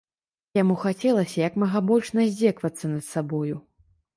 Яму хацелася як мага больш наздзекавацца над сабою.